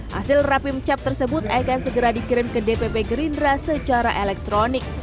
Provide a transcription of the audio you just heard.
hasil rapim cap tersebut akan segera dikirim ke dpp gerindra secara elektronik